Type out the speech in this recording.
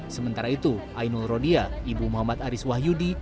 sementara itu ainul rodia ibu muhammad aris wahyudi